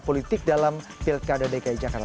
politik dalam pilkada dki jakarta